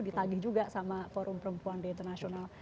ditagih juga sama forum perempuan di internasional